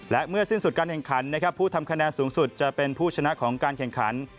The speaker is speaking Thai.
และเมื่อสิ้นสุดการแข่งขันนะครับผู้ทำคะแนนสูงสุดจะเป็นผู้ชนะของการแข่งขัน